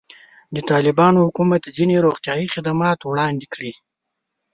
د طالبانو حکومت ځینې روغتیایي خدمات وړاندې کړي.